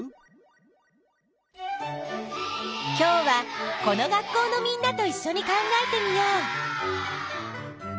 今日はこの学校のみんなといっしょに考えてみよう。